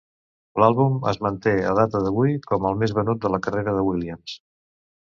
L'àlbum es manté, a data d'avui, com el més venut de la carrera de Williams.